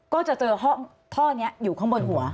ก็จะเจอท่อนี้อยู่ข้างบนหัว